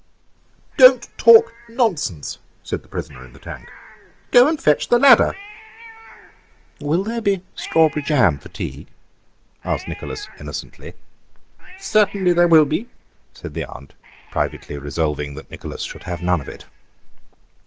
"Don't talk nonsense," said the prisoner in the tank; "go and fetch the ladder." "Will there be strawberry jam for tea?" asked Nicholas innocently. "Certainly there will be," said the aunt, privately resolving that Nicholas should have none of it.